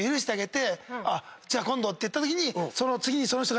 「じゃあ今度」って言ったときに。